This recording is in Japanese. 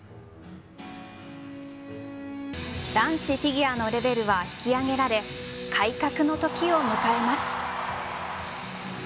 男子フィギュアのレベルは引き上げられ改革の時を迎えます。